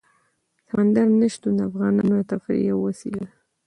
سمندر نه شتون د افغانانو د تفریح یوه وسیله ده.